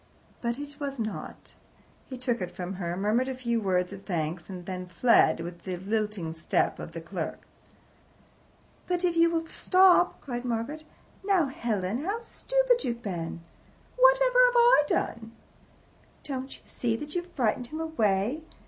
But it was not. He took it from her, murmured a few words of thanks, and then fled, with the lilting step of the clerk. "But if you will stop " cried Margaret. "Now, Helen, how stupid you've been!" "Whatever have I done?" "Don't you see that you've frightened him away?